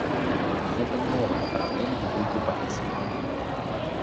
Гэта новая праблема на рынку працы.